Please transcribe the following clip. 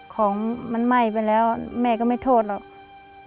ของมันไหม้ไปแล้วแม่ก็ไม่โทษหรอก